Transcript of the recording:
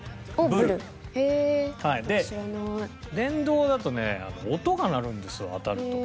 電動だとね音が鳴るんですよ当たると。